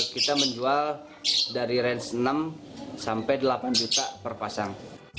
kita menjual dari range enam sampai delapan juta per pasang